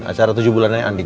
acara tujuh bulanannya andin